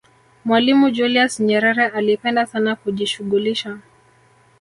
mwalimu julius nyerere alipenda sana kujishughulisha